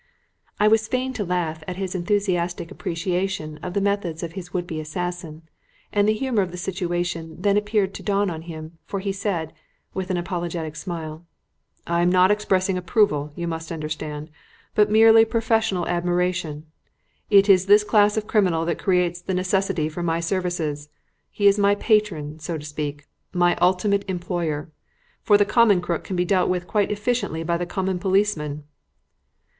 I was fain to laugh at his enthusiastic appreciation of the methods of his would be assassin, and the humour of the situation then appeared to dawn on him, for he said, with an apologetic smile "I am not expressing approval, you must understand, but merely professional admiration. It is this class of criminal that creates the necessity for my services. He is my patron, so to speak; my ultimate employer. For the common crook can be dealt with quite efficiently by the common policeman!"